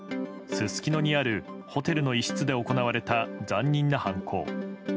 すすきのにあるホテルの一室で行われた、残忍な犯行。